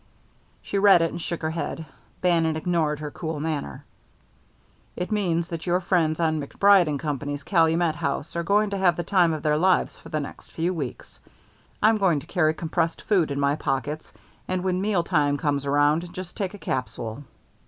She read it and shook her head. Bannon ignored her cool manner. "It means that your friends on MacBride & Company's Calumet house are going to have the time of their lives for the next few weeks. I'm going to carry compressed food in my pockets, and when meal time comes around, just take a capsule."